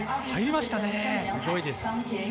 入りましたね。